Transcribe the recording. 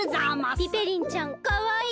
ピペリンちゃんかわいい！